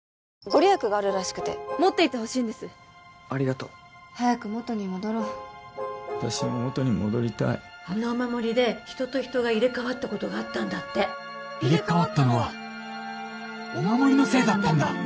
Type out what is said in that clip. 御利益があるらしくて持っていてほしいんですありがとう早く元に戻ろう私も元に戻りたいあのお守りで人と人が入れ替わったことがあったんだって入れ替わったのはお守りのせいだったんだ！